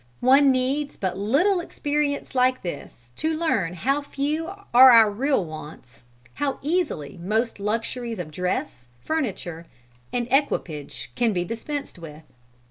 One needs but little experience like this to learn how few are our real wants, how easily most luxuries of dress, furniture and equipage can be dispensed with.